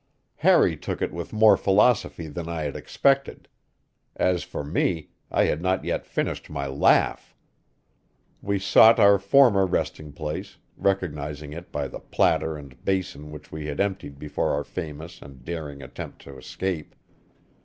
Harry took it with more philosophy than I had expected. As for me, I had not yet finished my laugh. We sought our former resting place, recognizing it by the platter and basin which we had emptied before our famous and daring attempt to escape.